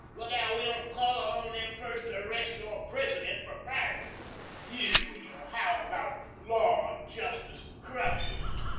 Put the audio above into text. Look out we don't call on them first to arrest your President for bribery. You and your howl about law and justice and corruption!